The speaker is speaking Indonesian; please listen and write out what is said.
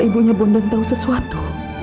ibunya bondan tau sesuatu